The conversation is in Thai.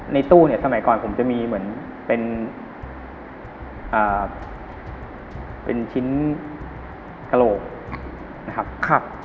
ในตู้เนี่ยสมัยก่อนผมจะมีเหมือนเป็นชิ้นกระโหลกนะครับ